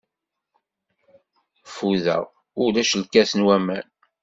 Ffudeɣ, ulac lkas n waman?